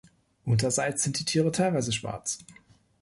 Unterseits sind die Tiere teilweise schwarz.